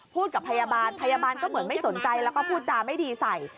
กับพยาบาลพยาบาลก็เหมือนไม่สนใจแล้วก็พูดจาไม่ดีใส่